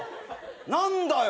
何だよ。